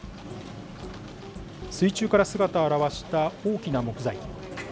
水中から姿を現した大きな木材。